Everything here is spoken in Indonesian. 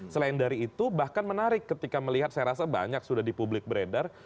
selain dari itu bahkan menarik ketika melihat saya rasa banyak sudah di publik beredar